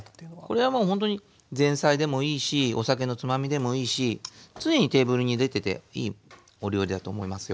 これはもうほんとに前菜でもいいしお酒のつまみでもいいし常にテーブルに出てていいお料理だと思いますよ。